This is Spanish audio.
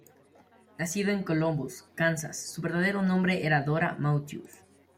Nacida en Columbus, Kansas, su verdadero nombre era Dora Matthews.